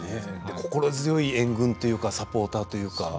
心強い援軍というかサポーターというか。